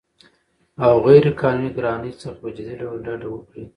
او غیرقانوني ګرانۍ څخه په جدي ډول ډډه وکړي